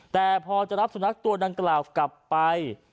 แต่พอจะรับสุนัขตัวดังกล่าวกลับไป